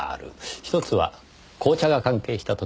１つは紅茶が関係した時。